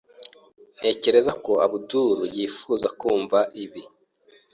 Ntekereza ko Abdul yifuza kumva ibi.